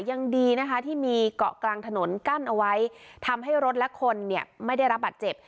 ยังดีนะคะที่มีเกาะกลางถนนกั้นเอาไว้ทำให้รถและคนเนี่ยไม่ได้รับบัตรเจ็บ